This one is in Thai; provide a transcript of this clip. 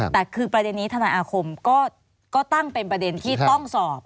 แต่คือประเด็นนี้ทนายอาคมก็ตั้งเป็นประเด็นที่ต้องสอบ